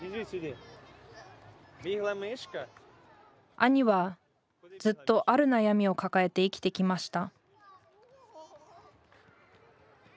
兄はずっとある悩みを抱えて生きてきました